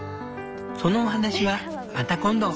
そのお話はまた今度。